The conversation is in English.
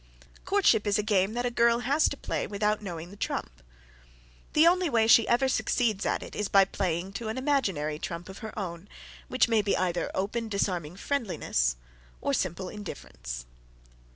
Courtship is a game that a girl has to play without knowing the trump. The only way she ever succeeds at it is by playing to an imaginary trump of her own, which may be either open, disarming friendliness, or simple indifference.